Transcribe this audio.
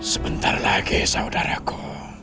sebentar lagi saudaraku